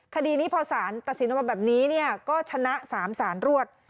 คดีนี้พอสารตัดสินมาแบบนี้นี่ก็ชนะสามศาลรวด